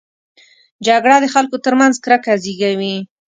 جګړه د خلکو ترمنځ کرکه زېږوي